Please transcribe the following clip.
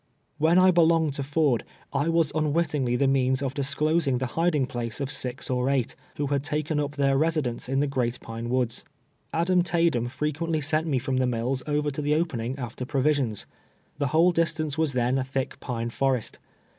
While I belonged to Ford, I was unwittingly the means of disclosing the hiding place of six or eight, who had taken up their residence in the " Great Pine Woods." Adam Taydem frequently sent me from the mills over to the opening after provisions. The whole distance was then a thick pine forest.